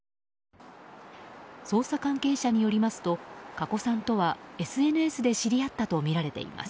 捜査関係者によりますと加古さんとはＳＮＳで知り合ったとみられています。